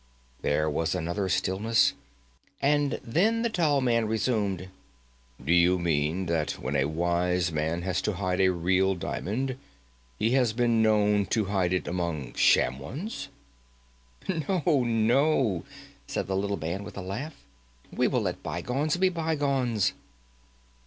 There was another stillness, and then the tall man resumed: "Do you mean that when a wise man has to hide a real diamond he has been known to hide it among sham ones?" "No, no," said the little man with a laugh, "we will let bygones be bygones."